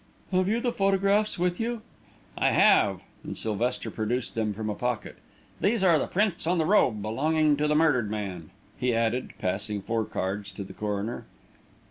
"Have you the photographs with you?" "I have," and Sylvester produced them from a pocket. "These are the prints on the robe belonging to the murdered man," he added, passing four cards to the coroner.